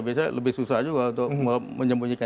biasanya lebih susah juga untuk menyembunyikan